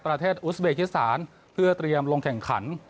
ประเทศอุสเบคิตศาสตร์เพื่อเตรียมลงแข่งขัน